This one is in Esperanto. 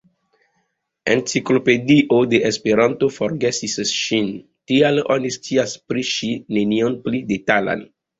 Enciklopedio de Esperanto forgesis ŝin, tial oni scias pri ŝi nenion pli detalan.